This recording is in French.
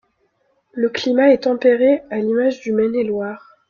Le climat est tempéré à l'image du Maine-et-Loire.